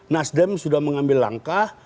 nasdem sudah mengambil langkah